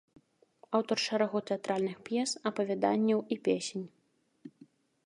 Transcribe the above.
Аўтар шэрагу тэатральных п'ес, апавяданняў і песень.